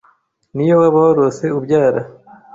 N’iyo waba warose ubyara